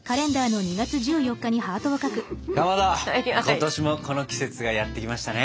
今年もこの季節がやって来ましたね。